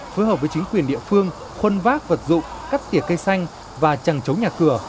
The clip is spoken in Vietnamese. phối hợp với chính quyền địa phương khuân vác vật dụng cắt tỉa cây xanh và chẳng chống nhà cửa